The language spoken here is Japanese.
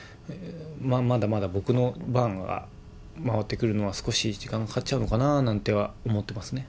まだまだ僕の番は回ってくるのは、少し時間がかかっちゃうのかななんてのは思ってますね。